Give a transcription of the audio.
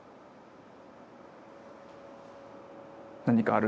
何かある。